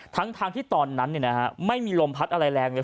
ทั้งทางที่ตอนนั้นนี้นะฮะไม่มีลมพลัดอะไรแรงเลย